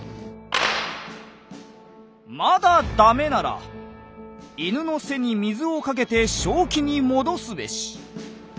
「まだ駄目なら犬の背に水をかけて正気に戻すべし」。